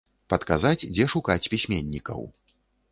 Падказаць, дзе шукаць пісьменнікаў.